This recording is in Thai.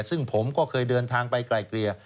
ซึ่งผมก็เคยเดินทางไปไกลเกลี่ย